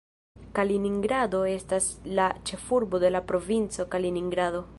Kaliningrado estas la ĉefurbo de la provinco Kaliningrado.